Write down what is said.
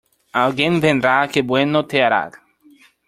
Alguien vendrá que bueno te hará.